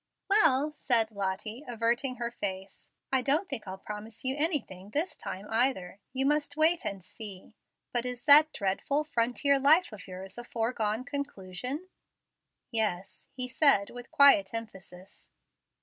"Well," said Lottie, averting her face, "I don't think I'll promise you anything this time either. You must wait and see. But is that dreadful frontier life of yours a foregone conclusion?" "Yes," he said, with quiet emphasis.